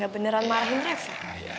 gak beneran marahin reva